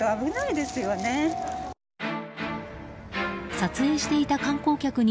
撮影していた観光客に